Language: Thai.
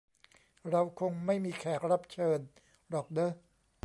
เราคงไม่มีแขกรับเชิญหรอกเนอะ